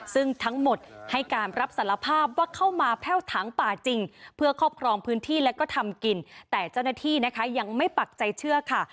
ซึ่งทั้งหมดให้การรับสารภาพว่าเข้ามาแพ่วถังป่าจริงเพื่อครอบครองพื้นที่และก็ทำกินแต่เจ้าหน้าที่นะคะยังไม่ปักใจเชื่อค่ะ